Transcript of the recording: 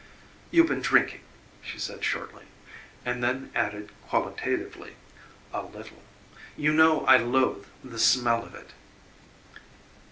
"You've been drinking," she said shortly, and then added qualitatively, "a little. You know I loathe the smell of it."